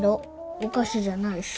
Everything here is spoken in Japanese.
お菓子じゃないし。